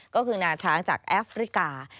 ก็คืองาช้างจากแอฟริกา